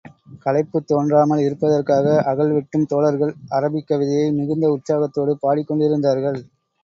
களைப்புத் தோன்றாமல் இருப்பதற்காக, அகழ் வெட்டும் தோழர்கள் அரபிக் கவிதையை மிகுந்த உற்சாகத்தோடு பாடிக் கொண்டிருந்தார்கள்.